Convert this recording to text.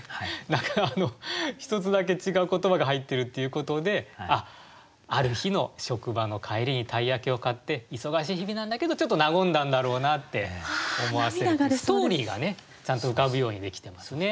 何か１つだけ違う言葉が入ってるっていうことであっある日の職場の帰りに鯛焼を買って忙しい日々なんだけどちょっと和んだんだろうなって思わせるストーリーがねちゃんと浮かぶようにできてますね。